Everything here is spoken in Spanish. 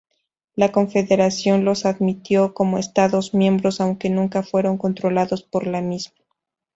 La Confederación los admitió como estados miembros aunque nunca fueron controlados por la misma.